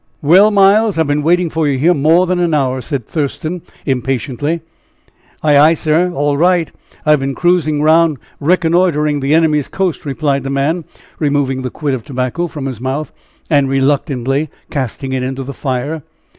"Well, Miles, I've been waiting for you here more than an hour," said Thurston, impatiently. "Ay, ay, sir all right. I've been cruising round, reconnoitering the enemy's coast," replied the man, removing the quid of tobacco from his mouth, and reluctantly casting it into the fire.